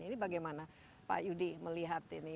ini bagaimana pak yudi melihat ini